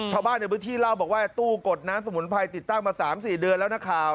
ชาวบ้านในพื้นที่เล่าบอกว่าตู้กดน้ำสมุนไพรติดตั้งมา๓๔เดือนแล้วนักข่าว